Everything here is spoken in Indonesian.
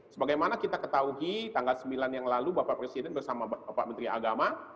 sebagaimana kita ketahui tanggal sembilan yang lalu bapak presiden bersama bapak menteri agama